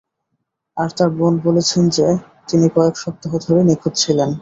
আর তার বোন বলেছেন যে, তিনি কয়েক সপ্তাহ ধরে নিখোঁজ ছিলেন।